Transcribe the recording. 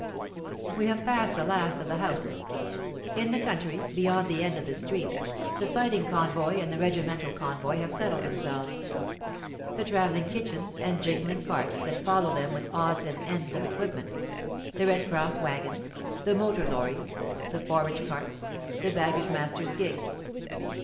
We have passed the last of the houses. In the country, beyond the end of the street, the fighting convoy and the regimental convoy have settled themselves, the traveling kitchens and jingling carts that follow them with odds and ends of equipment, the Red Cross wagons, the motor lorries, the forage carts, the baggage master's gig.